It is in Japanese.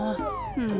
うん。